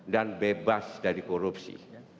dan bebas dari korupsi